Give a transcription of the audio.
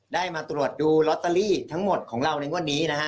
ได้มาตรวจดูลอตเตอรี่ทั้งหมดของเราในงวดนี้นะฮะ